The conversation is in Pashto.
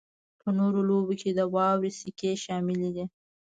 په نورو لوبو کې د واورې سکی شامل دی